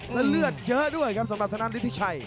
และเลือดเยอะด้วยครับสำหรับทางด้านฤทธิชัย